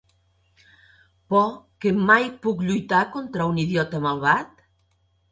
Por què mai puc lluitar contra un idiota malvat?